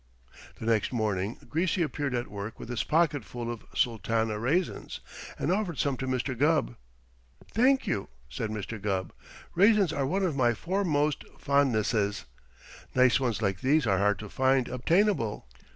The next morning Greasy appeared at work with his pocket full of Sultana raisins, and offered some to Mr. Gubb. "Thank you," said Mr. Gubb; "raisins are one of my foremost fondnesses. Nice ones like these are hard to find obtainable."